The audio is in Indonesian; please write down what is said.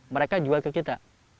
mereka jual ke kita